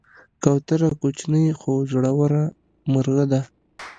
کوتره کوچنۍ خو زړوره مرغه ده.